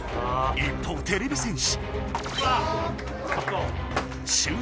一方てれび戦士。